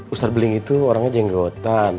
ustaz beling itu orangnya jenggotan